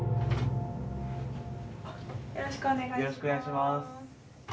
よろしくお願いします。